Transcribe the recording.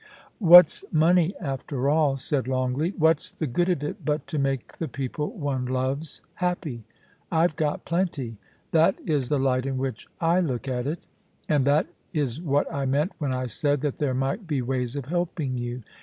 'What's money, after all?' said Longleat * What's the good of it but to make the people one loves happy ? I've got plenty. That is the light in which I look at it ... And that is what I meant when I said that there might be ways of helping you.